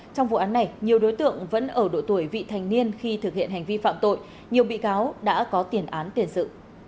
trong vụ án này nhiều đối tượng vẫn ở độ tuổi vị thành niên khi thực hiện hành vi phạm tội nhiều bị cáo đã có tiền án tiền sự